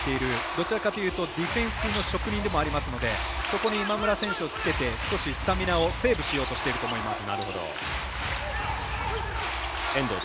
どちらかというとディフェンスの職人でもありますのでそこに今村選手をつけて少しスタミナをセーブしようとしていると思います。